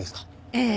ええ。